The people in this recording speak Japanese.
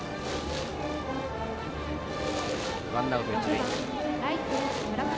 ワンアウト、一塁。